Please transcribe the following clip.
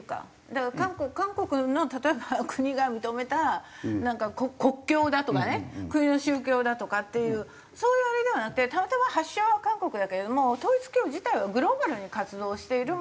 だから韓国の例えば国が認めたなんか国教だとかね国の宗教だとかっていうそういうあれではなくてたまたま発祥は韓国だけれども統一教会自体はグローバルに活動している